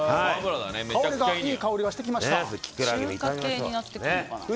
いい香りがしてきました。